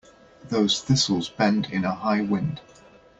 Those thistles bend in a high wind.